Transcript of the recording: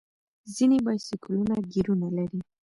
ځینې بایسکلونه ګیرونه لري.